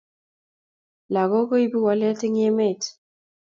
Lakok koipu walet eng emet